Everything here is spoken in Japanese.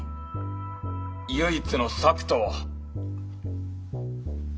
唯一の策とは？